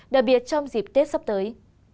đặc biệt trong dịp tết sắp tới